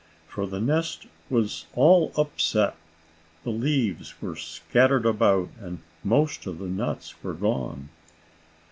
For the nest was all upset. The leaves were scattered about, and most of the nuts were gone.